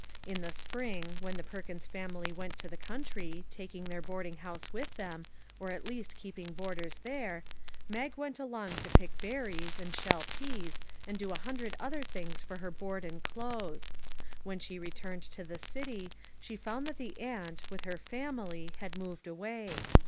In the spring, when the Per kins family went to the country, taking their boarding house with them or at least keeping boarders there Mag went along to pick ber ries, and shell peas, and do a hundred other things for her board and clothes. When she returned to the city, she found that the aunt, with her family, had moved away.